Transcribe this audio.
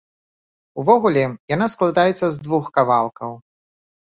Увогуле, яна складаецца з двух кавалкаў.